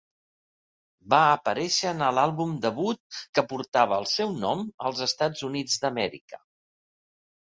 Va aparèixer en el àlbum debut que portava el seu nom als Estats Units d'Amèrica.